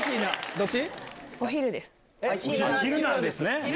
どっち？